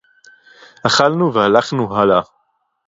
אָכַלְנוּ וְהָלַכְנוּ הָלְאָה.